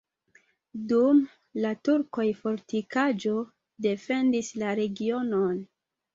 Dum la turkoj fortikaĵo defendis la regionon.